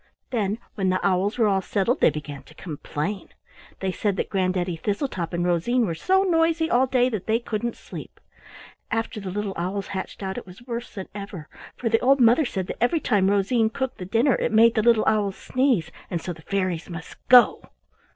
Then when the owls were all settled they began to complain. They said that Granddaddy Thistletop and Rosine were so noisy all day that they couldn't sleep. "After the little owls hatched out it was worse than ever, for the old mother said that every time Rosine cooked the dinner it made the little owls sneeze, and so the fairies must go."